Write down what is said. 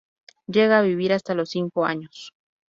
Llega a vivir hasta los cinco años.